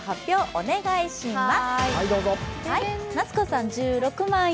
お願いします。